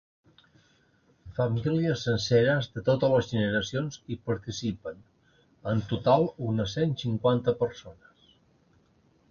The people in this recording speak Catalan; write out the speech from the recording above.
Famílies senceres, de totes les generacions, hi participen; en total, unes cent cinquanta persones.